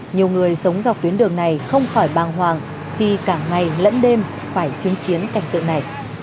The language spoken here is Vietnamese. nhiều người sống dọc tuyến đường này không khỏi bàng hoàng khi cả ngày lẫn đêm phải chứng kiến cảnh tượng này